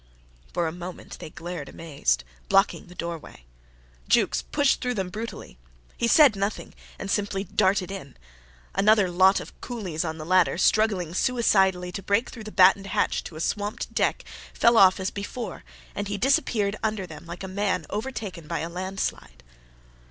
For a moment they glared amazed, blocking the doorway. Jukes pushed through them brutally. He said nothing, and simply darted in. Another lot of coolies on the ladder, struggling suicidally to break through the battened hatch to a swamped deck, fell off as before, and he disappeared under them like a man overtaken by a landslide.